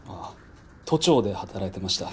都庁で働いてました。